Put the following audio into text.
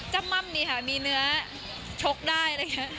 จะม่ำดีค่ะมีเนื้อชกได้